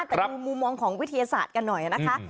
แต่ดูมุมมองของวิทยาศาสตร์กันหน่อยนะคะ